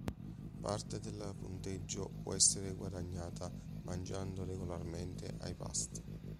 Parte del punteggio può essere guadagnata mangiando regolarmente ai pasti.